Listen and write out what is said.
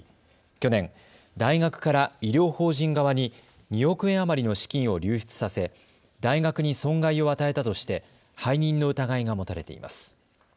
去年、大学から医療法人側に２億円余りの資金を流出させ大学に損害を与えたとして背任の疑いが持たれています。